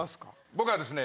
僕はですね